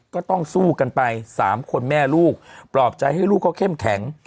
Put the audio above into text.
ก็ต้องสู้กันไป๓คนแม่ลูกปลอบใจให้ลูกเขาเข้มแข็ง